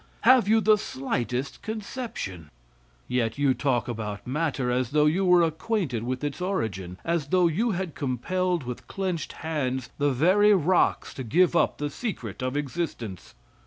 Have you the slightest conception? Yet you talk about matter as though you were acquainted with its origin; as though you had compelled, with clenched hands, the very rocks to give up the secret of existence?